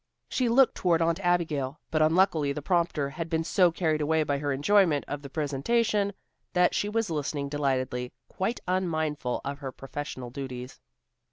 She looked toward Aunt Abigail, but unluckily the prompter had been so carried away by her enjoyment of the presentation, that she was listening delightedly, quite unmindful of her professional duties.